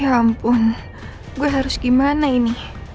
ampun gue harus gimana ini